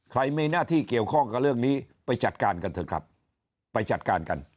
ใครมีหน้าที่เกี่ยวข้องกับเรื่องนี้ไปจัดการกันเถอะครับ